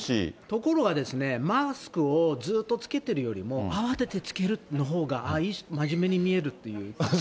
ところがですね、マスクをずっと着けてるよりも、慌てて着けるほうがああ、そうそうそう。